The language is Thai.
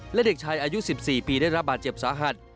และเด็กชายอายุ๑๔ปีได้รับบาดเจ็บสาหัส